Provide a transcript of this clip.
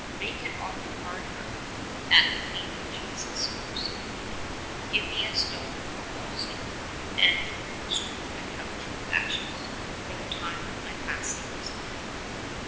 Make it on the hard earth at the feet of Jesus crucified. Give me a stone for bolster 109 and strew the couch with ashes, for the time of my passing is nigh.